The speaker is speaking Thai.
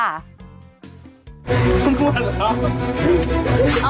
ออกมา